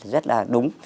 rất là đúng